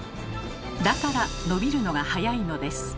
だから伸びるのがはやいのです。